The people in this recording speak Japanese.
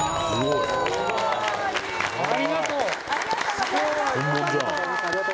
茶：「ありがとう！」